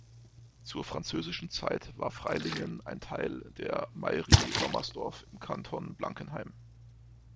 Zur französischen Zeit war Freilingen ein Teil der Mairie Lommersdorf im Canton Blankenheim.